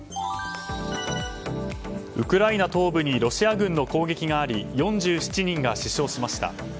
ウクライナ東部にロシア軍の攻撃があり４７人が死傷しました。